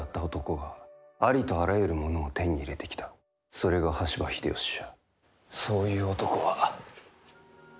それが羽柴秀吉じゃ。